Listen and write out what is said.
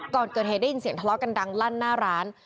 ก่อนเกิดเหตุได้ยินเสียงทะเลาะกันดังลั่นหน้าร้าน